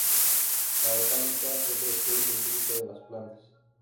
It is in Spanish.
La botánica es el estudio científico de las plantas.